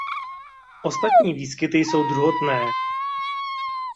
Ostatní výskyty jsou druhotné.